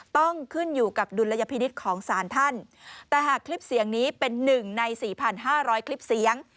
ต้องขึ้นอยู่กับดุลยพินิษฐ์ของสารท่านแต่หากคลิปเสียงนี้เป็นหนึ่งในสี่พันห้าร้อยคลิปเสียง